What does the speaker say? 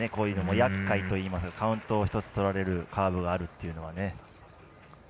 やっかいといいますかカウントを１つとられるカーブがあるというのは。